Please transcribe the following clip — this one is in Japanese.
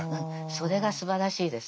それがすばらしいです。